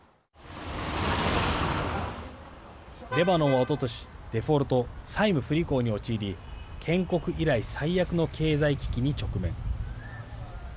レバノンは、おととしデフォルト＝債務不履行に陥り建国以来最悪の経済危機に直面。